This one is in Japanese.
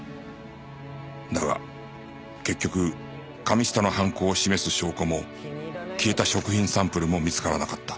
だが結局神下の犯行を示す証拠も消えた食品サンプルも見つからなかった